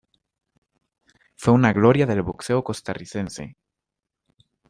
Fue una gloria del boxeo costarricense.